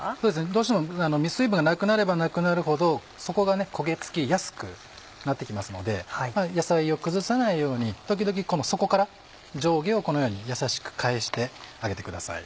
どうしても水分がなくなればなくなるほど底が焦げ付きやすくなって来ますので野菜を崩さないように時々この底から上下をこのようにやさしく返してあげてください。